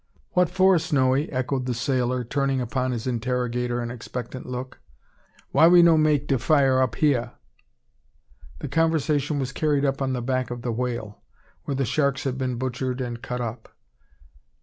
"What for, Snowy!" echoed the sailor, turning upon his interrogator an expectant look. "Why we no make de fire up hya?" The conversation was carried on upon the back of the whale, where the sharks had been butchered and cut up.